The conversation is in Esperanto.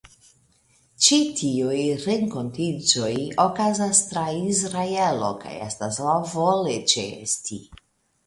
Ĉi tiuj renkontiĝoj okazas tra Israelo kaj estas laŭvole ĉeesti.